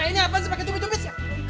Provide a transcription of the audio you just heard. ini apaan sih pakai cupis cupis